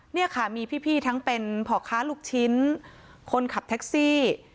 นี่ค่ะมีพี่ทั้งเป็นพ่อค้าลูกชิ้นคนขับแท็กซี่